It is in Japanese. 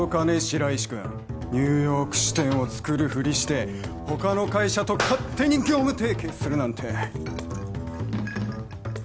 白石くんニューヨーク支店をつくるふりして他の会社と勝手に業務提携するなんて！